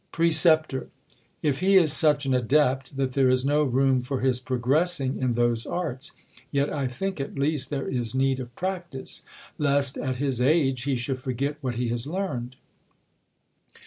Precep, If he is such an adept that there is no room for his progressing in those arts ; yet I think, at least, there is need of practice, lest, at his age, he should forget what he has learned.